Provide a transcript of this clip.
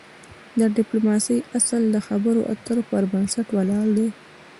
د د ډيپلوماسی اصل د خبرو اترو پر بنسټ ولاړ دی.